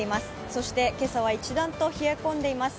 そして今朝は一段と冷え込んでいます。